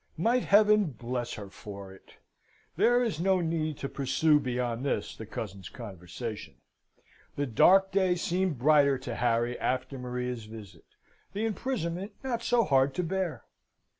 Might Heaven bless her for it! There is no need to pursue beyond this, the cousins' conversation. The dark day seemed brighter to Harry after Maria's visit: the imprisonment not so hard to bear.